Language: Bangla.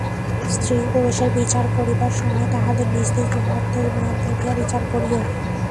স্ত্রী-পুরুষের বিচার করিবার সময় তাহাদের নিজ নিজ মহত্ত্বের মান ধরিয়া বিচার করিও।